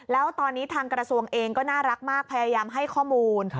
แล้วตอนนี้ทางกระทรวงเองก็น่ารักมากพยายามให้ข้อมูล